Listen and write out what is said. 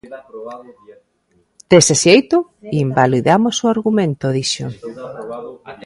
"Dese xeito, invalidamos o argumento", dixo.